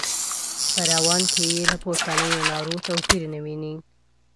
په رواني کې یې له پورتنیو نارو توپیر نه ویني.